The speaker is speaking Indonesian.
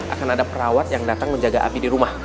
akan ada perawat yang datang menjaga api di rumah